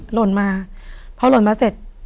หล่นมาพอหล่นมาเสร็จ